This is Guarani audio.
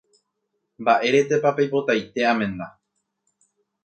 Mba'éretepa peipotaite amenda.